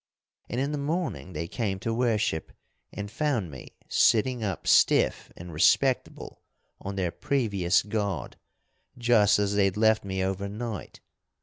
And in the morning they came to worship, and found me sitting up stiff and respectable on their previous god, just as they'd left me overnight.